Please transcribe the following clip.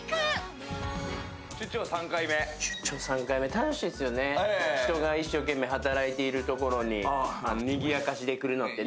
楽しいですよね、人が一生懸命働いているところににぎやかしで来るのね。